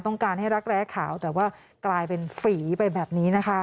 ต้องการให้รักแร้ขาวแต่ว่ากลายเป็นฝีไปแบบนี้นะคะ